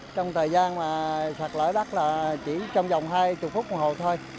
trong thời gian mà sạch lỡ đắt là chỉ trong vòng hai chục phút một hồi thôi